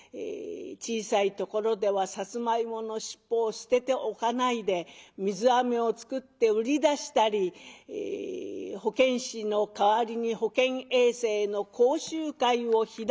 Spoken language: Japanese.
小さいところではさつまいもの尻尾を捨てておかないで水あめを作って売り出したり保健師の代わりに保健衛生の講習会を開いたり。